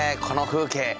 この風景。